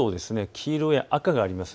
黄色や赤があります。